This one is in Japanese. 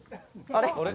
「あれ？」